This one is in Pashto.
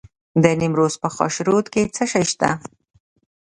د نیمروز په خاشرود کې څه شی شته؟